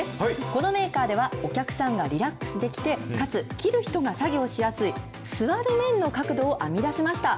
このメーカーでは、お客さんがリラックスできて、かつ切る人が作業しやすい座る面の角度を編み出しました。